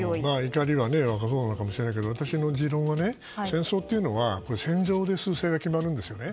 怒りはそうかもしれないが私の持論は、戦争っていうのは戦場で趨勢が決まるんですよね。